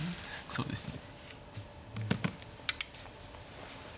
そうですね。